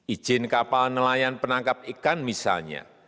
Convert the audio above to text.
ijin kapal nelayan penangkap ikan misalnya